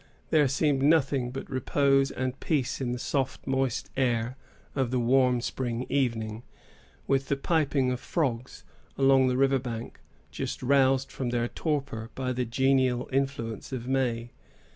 There seemed nothing but repose and peace in the soft, moist air of the warm spring evening, with the piping of frogs along the river bank, just roused from their torpor by the genial influence of May.